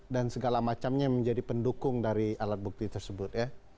dan segala macamnya yang menjadi pendukung dari alat bukti tersebut